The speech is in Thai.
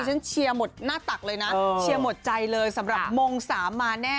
เชียร์หมดหน้าตักเลยนะเชียร์หมดใจเลยสำหรับมงสามมาแน่